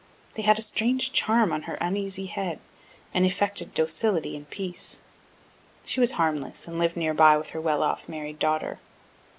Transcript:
They had a strange charm on her uneasy head, and effected docility and peace. (She was harmless, and lived near by with her well off married daughter.)